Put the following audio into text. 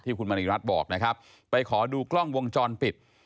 คุณมณีรัฐบอกนะครับไปขอดูกล้องวงจรปิด